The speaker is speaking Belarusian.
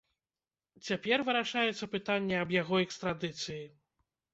Цяпер вырашаецца пытанне аб яго экстрадыцыі.